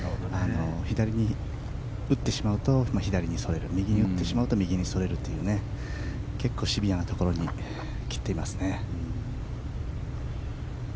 左に打ってしまうと左にそれる右に打つと右にそれるという結構シビアなところに切っています。